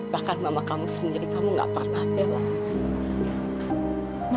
bahkan mama kamu sendiri kamu gak pernah belok